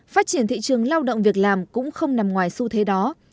phát triển thị trường lao động việc làm cũng không nằm ngoài xu thế đó